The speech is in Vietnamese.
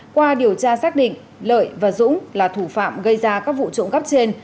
qua điều tra xác định lợi và dũng là thủ phạm gây ra các vụ trộm cắp trên